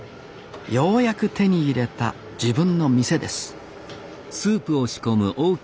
ようやく手に入れた自分の店です